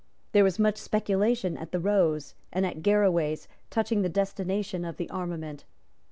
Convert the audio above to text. There was much speculation at the Rose and at Garraway's touching the destination of the armament.